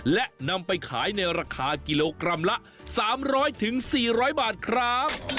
และนำไปขายในราคากิโลกรัมละ๓๐๐๔๐๐บาทครับ